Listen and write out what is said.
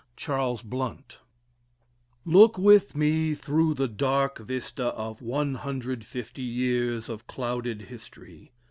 CHARLES BLOUNT. Look with me through the dark vista of 150 years of clouded history.